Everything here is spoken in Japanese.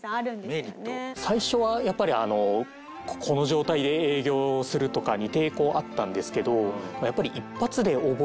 最初はやっぱりあのこの状態で営業するとかに抵抗あったんですけど